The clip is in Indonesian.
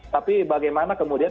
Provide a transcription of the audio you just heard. tapi bagaimana kemudian